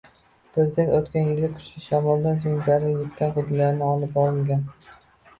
Prezident oʻtgan yilgi kuchli shamoldan soʻng zarar yetgan hududlarda olib borilgan